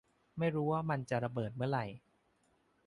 ไม่รู้ว่ามันจะระเบิดเมื่อไหร่